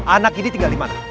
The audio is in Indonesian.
anak ini tinggal dimana